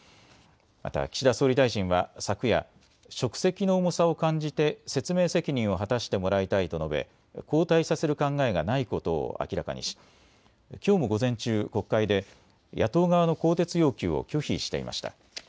また岸田総理大臣は昨夜、職責の重さを感じて説明責任を果たしてもらいたいと述べ交代させる考えがないことを明らかにしきょうも午前中、国会で野党側の更迭要求を拒否していました。